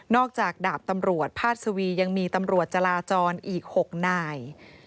จากดาบตำรวจพาดสวียังมีตำรวจจราจรอีก๖นาย